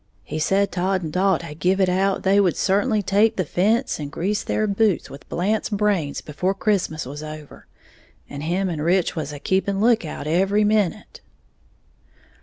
He said Todd and Dalt had give it out they would certainly take the fence and grease their boots with Blant's brains before Christmas was over; and him and Rich was a keeping lookout every minute."